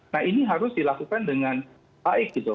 nah ini harus dilakukan dengan baik gitu